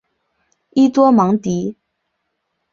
伊多芒迪。